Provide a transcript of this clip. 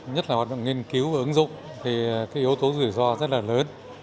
nhất là hoạt động nghiên cứu và ứng dụng thì cái yếu tố rủi ro rất là lớn